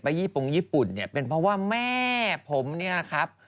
ยี่ปงญี่ปุ่นเนี่ยเป็นเพราะว่าแม่ผมเนี่ยนะครับ